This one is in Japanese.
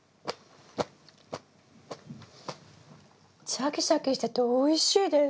シャキシャキしてておいしいです。